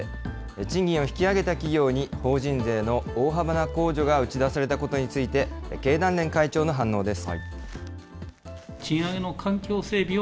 賃金を引き上げた企業に、法人税の大幅な控除が打ち出されたことについて、経団連会長の反応です。